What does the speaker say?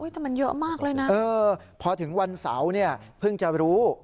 แต่มันเยอะมากเลยนะพอถึงวันเสาร์เนี่ยเพิ่งจะรู้